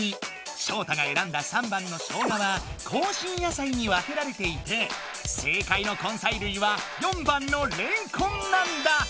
ショウタが選んだ３番の「ショウガ」は香辛野菜に分けられていて正解の根菜類は４番の「レンコン」なんだ！